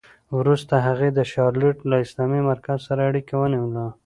وروسته هغې د شارليټ له اسلامي مرکز سره اړیکه ونیوه